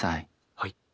はい。